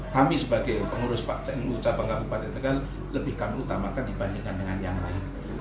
kami sebagai pengurus cabang kabupaten tegal lebih kami utamakan dibandingkan dengan yang lain